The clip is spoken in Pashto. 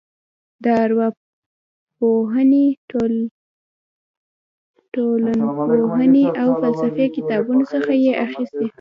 د ارواپوهنې ټولنپوهنې او فلسفې کتابونو څخه یې اخیستې.